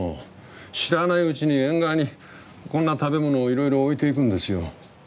知らないうちに縁側にこんな食べ物をいろいろ置いていくんですよ。